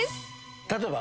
例えば。